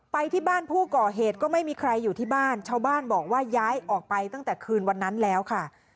ไปที่บ้านผู้ก่อเหตุก็ไม่มีใครอยู่ที่บ้านชาวบ้านบอกว่าย้ายออกไปตั้งแต่คืนวันนั้นแล้วค่ะ